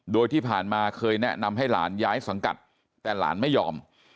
โดยที่ผ่านมาเคยแนะนำให้หลานย้ายสังกัดแต่หลานไม่ยอม